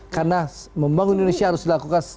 karena membangun indonesia harus dilakukan